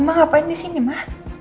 mama ngapain disini ma